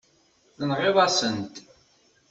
Tenɣiḍ-as-tent.